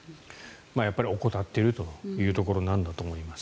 やっぱり怠っているというところなんだろうと思います。